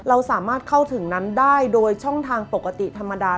เราสามารถเข้าถึงนั้นได้โดยช่องทางปกติธรรมดา